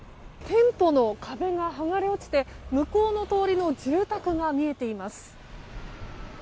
店舗の壁が崩れ落ちて向こうの通りの住宅が見えています。